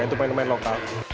itu pemain pemain lokal